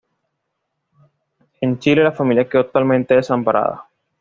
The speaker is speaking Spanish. En Chile, la familia quedó totalmente desamparada.